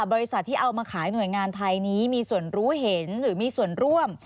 บริษัทที่เอามาขายหน่วยงานไทยนี้มีส่วนรู้เห็นหรือมีส่วนร่วม